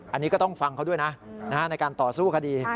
อันนี้ก็ต้องฟังเขาด้วยนะในการต่อสู้คดี